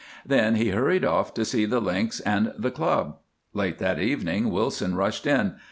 Then he hurried off to see the Links and the Club. Late that evening Wilson rushed in.